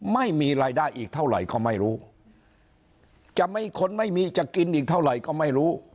ไม่มีรายได้อีกเท่าไหร่ก็ไม่รู้จะไม่คนไม่มีจะกินอีกเท่าไหร่ก็ไม่รู้